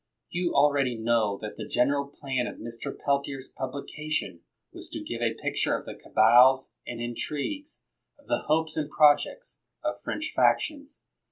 You already know that the general plan of Mr. Peltier's publication was to give a picture of the cabals and intrigues, of the hopes and projects, of French factions.